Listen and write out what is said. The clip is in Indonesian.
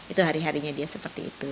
itu hari harinya dia seperti itu